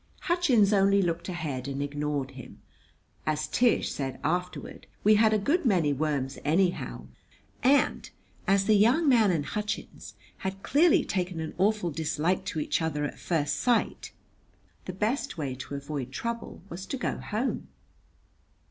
Hutchins only looked ahead and ignored him. As Tish said afterward, we had a good many worms, anyhow; and, as the young man and Hutchins had clearly taken an awful dislike to each other at first sight, the best way to avoid trouble was to go home.